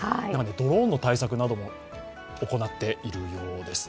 ドローンの対策なども行っているようです。